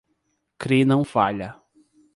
Kri não falha.